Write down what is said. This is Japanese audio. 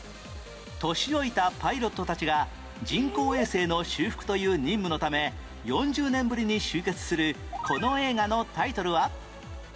年老いたパイロットたちが人工衛星の修復という任務のため４０年ぶりに集結するこの映画のタイトルは？